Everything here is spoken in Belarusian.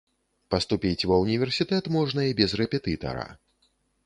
Паступіць ва ўніверсітэт можна і без рэпетытара.